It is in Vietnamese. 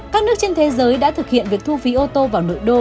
các nước trên thế giới đã thực hiện việc thu phí ô tô vào nội đô